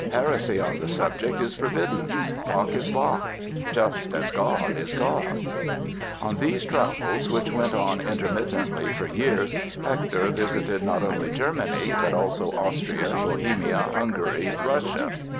"Heresy on the subject is forbidden; Bach is Bach, just as God is God!" On these travels, which went on intermittently for years, Hector visited not only Germany but also Austria, Bohemia, Hungary, Russia.